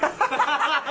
ハハハ！